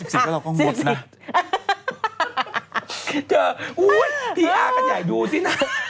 อ๋อ๑๔ก็เราก็หมดนะพี่อ้ากันใหญ่ดูสินะ